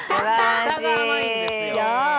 下が甘いんですよ。